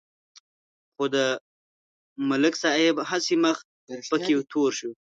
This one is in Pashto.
خو د ملک صاحب هسې مخ پکې تور شو.